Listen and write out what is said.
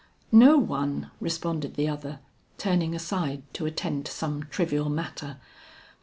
"No one," responded the other, turning aside to attend to some trivial matter.